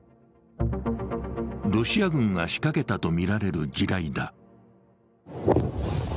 ロシア軍が仕掛けたとみられる地雷だ。